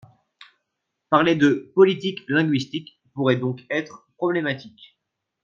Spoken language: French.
Parler de, politique linguistique, pourrait donc être problématique.